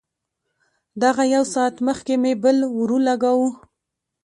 دغه يو ساعت مخکې مې بل ورولګاوه.